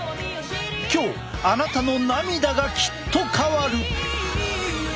今日あなたの涙がきっと変わる！